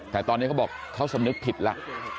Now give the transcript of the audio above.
แต่ตอนนี้เขาบอกเขาสำนึกผิดแล้ว